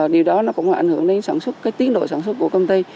điều đó cũng ảnh hưởng đến tiến độ sản xuất của công ty